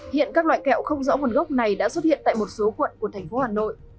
hiện các loại kẹo không rõ nguồn gốc này đã xuất hiện tại một số quận của thành phố hà nội